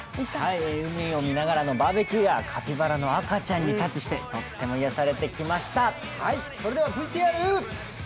海を身ながらのバーベキューやカピバラの赤ちゃんにタッチしてとっても癒やされてきました。